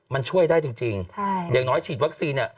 มันช่วยได้จริงอย่างน้อยฉีดวัคซีนเนี่ย